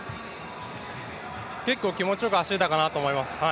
結構気持ちよく走れたかなと思います。